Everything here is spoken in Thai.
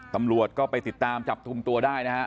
ตำรวจก็ไปติดตามจับกลุ่มตัวได้นะฮะ